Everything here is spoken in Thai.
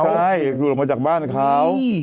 ใช่หลุดออกมาจากบ้านเขา